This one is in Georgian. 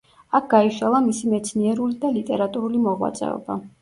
აქ გაიშალა მისი მეცნიერული და ლიტერატურული მოღვაწეობა.